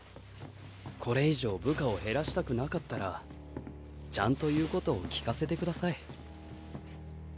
これ以上部下を減らしたくなかったらちゃんと言うことを聞かせて下さい。